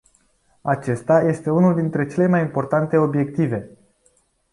Acesta este unul dintre cele mai importante obiective.